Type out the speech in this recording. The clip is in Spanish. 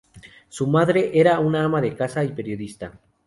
Su madre era un ama de casa y periodista.